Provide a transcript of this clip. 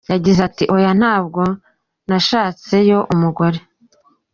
Yagize ati “Oya, ntabwo nashatseyo umugore.